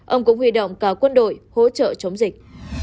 ông cũng huy động cả quân đội hỗ trợ chống dịch